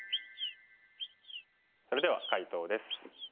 それでは解答です。